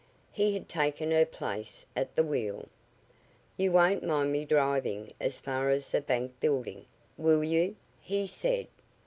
He had taken her place at the wheel. "You won't mind me driving as far as the bank building, will you?" he said.